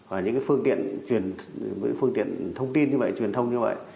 và những cái phương tiện thông tin như vậy truyền thông như vậy